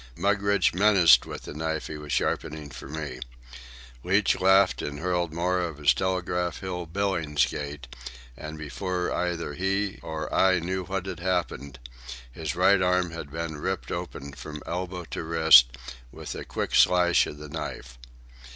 Mugridge menaced with the knife he was sharpening for me. Leach laughed and hurled more of his Telegraph Hill Billingsgate, and before either he or I knew what had happened, his right arm had been ripped open from elbow to wrist by a quick slash of the knife.